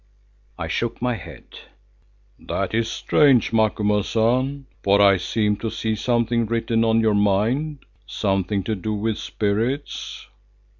I shook my head. "That is strange, Macumazahn, for I seem to see something written on your mind—something to do with spirits."